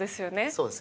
そうです。